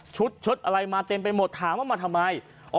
ชุดชุดอะไรมาเต็มไปหมดถามว่ามาทำไม